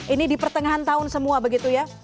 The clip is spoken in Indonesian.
ini di pertengahan tahun semua begitu ya